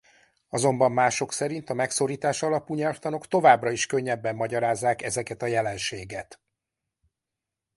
Azonban mások szerint a megszorítás alapú nyelvtanok továbbra is könnyebben magyarázzák ezeket a jelenséget.